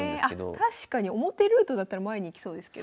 あっ確かに表ルートだったら前に行きそうですけど。